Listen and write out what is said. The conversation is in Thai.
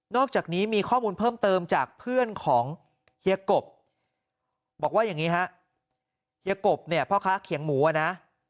อกจากนี้มีข้อมูลเพิ่มเติมจากเพื่อนของเฮียกบบอกว่าอย่างนี้ฮะเฮียกบเนี่ยพ่อค้าเขียงหมูอ่ะนะ